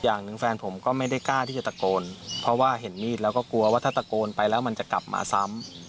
อย่างหนึ่งแฟนผมก็ไม่ได้กล้าที่จะตะโกนเพราะว่าเห็นมีดแล้วก็กลัวว่าถ้าตะโกนไปแล้วมันจะกลับมาซ้ำ